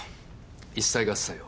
一切合財を。